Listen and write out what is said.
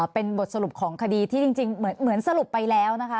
เป็นบทสรุปของคดีที่จริงเหมือนสรุปไปแล้วนะคะ